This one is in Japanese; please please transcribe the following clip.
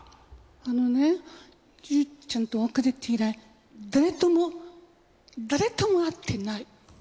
あのねユウちゃんと別れて以来誰とも誰とも会ってない。